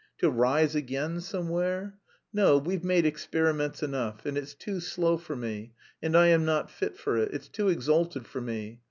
To 'rise again' somewhere? No, we've made experiments enough... and it's too slow for me; and I am not fit for it; it's too exalted for me.